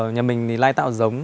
nhà mình thì lai tạo dống